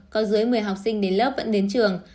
có dưới một mươi học sinh đến lớp vẫn đến trường